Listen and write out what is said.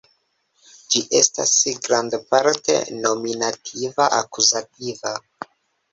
Ĝi estas grandparte nominativa-akuzativa.